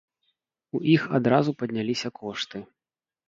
У іх адразу падняліся кошты.